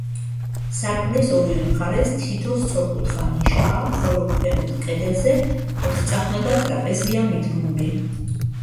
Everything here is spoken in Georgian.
სარკმლის ორივე მხარეს თითო სწორკუთხა ნიშაა, ხოლო ქვემოთ კედელზე ოთხწახნაგა ტრაპეზია მიდგმული.